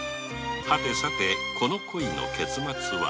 はてさてこの恋の結末は